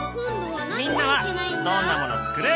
みんなはどんなもの作る？